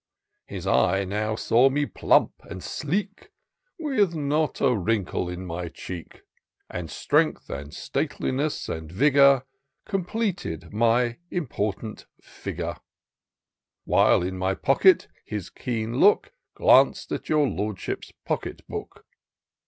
His eye now saw me plump and sleek. With not a wrinkle in my cheek ; And strength, and stateliness, and vigour, Completed my important figure ; While, in my pocket, his keen look Glanc'd at your Lordship's pocket book.